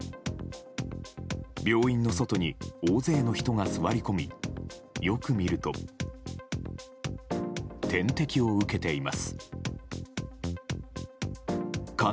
病院の外に大勢の人が座り込みよく見ると点滴を受けています。